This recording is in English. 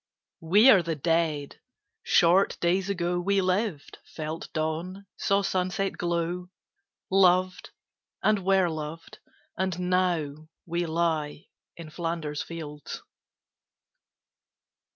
We are the Dead. Short days ago We lived, felt dawn, saw sunset glow, Loved and were loved, and now we lie, In Flanders fields.